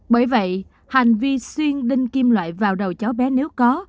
bởi vậy hành vi xuyên đinh kim loại vào đầu cháu bé nếu có